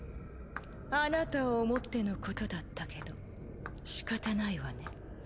あなたを思ってのことだったけどしかたないわね。